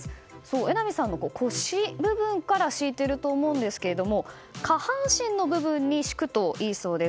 榎並さんの腰部分から敷いていると思うんですが下半身の部分に敷くといいそうです。